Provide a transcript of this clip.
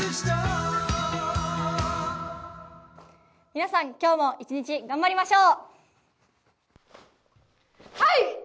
皆さん、今日も一日、頑張りましょう！